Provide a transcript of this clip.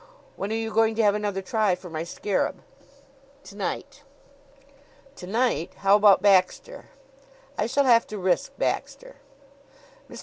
When are you going to have another try for my scarab?" "To night." "To night? How about Baxter?" "I shall have to risk Baxter." Mr.